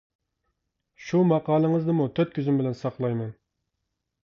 شۇ ماقالىڭىزنىمۇ تۆت كۆزۈم بىلەن ساقلايمەن.